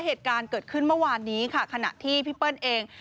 เหตุการณ์เกิดขึ้นเมื่อวานนี้ค่ะขณะที่พี่เปิ้ลเอง